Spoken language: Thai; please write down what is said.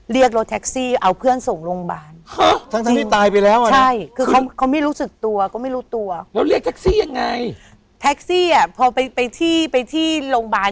เรียกรถแท็กซี่เอาเพื่อนส่งโรงพยาบาล